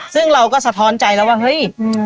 ซึ่งเราก็สะท้อนใจแล้วว่าเฮ้ย